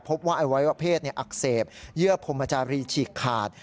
ว่าอวัยวะเพศอักเสบเยื่อพรมจารีฉีกขาด